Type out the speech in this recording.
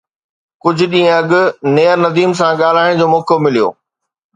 ڪجهه ڏينهن اڳ نيئر نديم سان ڳالهائڻ جو موقعو مليو